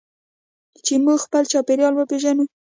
چې موږ خپل چاپیریال وپیژنو.